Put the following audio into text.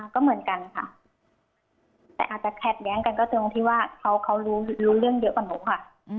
ก็เหมือนกันค่ะแต่อาจจะขัดแย้งกันก็ตรงที่ว่าเขารู้เรื่องเยอะกว่าหนูค่ะ